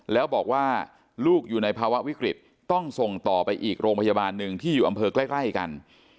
แล้วบอกว่าลูกอยู่ในภาวะวิกฤตต้องส่งต่อไปอีกโรงพยาบาลหนึ่งที่อยู่อำเภอใกล้กัน